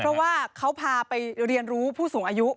เพราะว่าเขาพาไปเรียนรู้ผู้สูงอายุ